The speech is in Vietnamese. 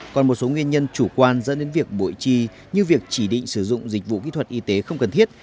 còn một số nguyên nhân chủ quan dẫn đến việc bội chi như việc chỉ định sử dụng dịch vụ kỹ thuật y tế không cần thiết